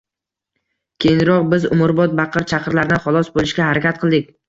Keyinroq biz umrbod baqir-chaqirlardan xalos bo‘lishga harakat qildik.